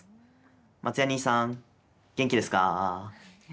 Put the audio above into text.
松也兄さん、元気ですか？